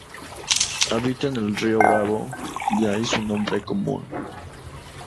Habita en el Río Bravo, de ahí su nombre común.